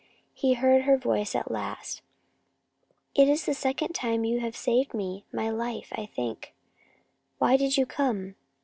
He heard her voice at last: "It is the second time you have saved me saved my life, I think. Why did you come?"